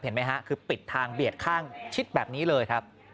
เห็นไหมฮะคือปิดทางเบียดข้างชิดแบบนี้เลยครับ